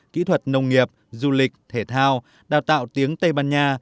công nghiệp du lịch thể thao đào tạo tiếng tây ban nha